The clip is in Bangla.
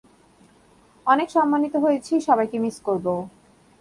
অনেক সম্মানিত হয়েছি সবাইকে মিস করবো।